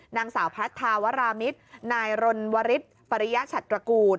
นางสาวพัทธาวรามิตรนายรณวริสปริยชัตรกูล